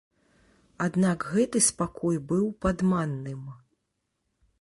Аднак гэты спакой быў падманным.